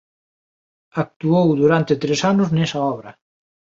Actuou durante tres anos nesa obra.